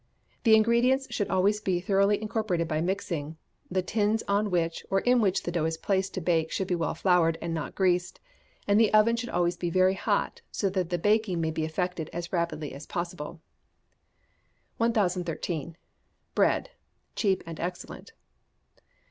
The ingredients should always be thoroughly incorporated by mixing; the tins on which or in which the dough is placed to bake should be well floured, and not greased; and the oven should always be very hot, so that the baking may be effected as rapidly as possible. 1013. Bread (Cheap and Excellent).